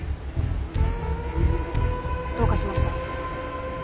どうかしました？